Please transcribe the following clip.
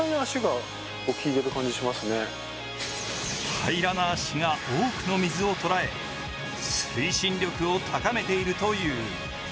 平らな足が多くの水をとらえ推進力を高めているという。